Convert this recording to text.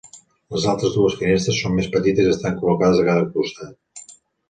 Les altres dues finestres són més petites i estan col·locades a cada costat.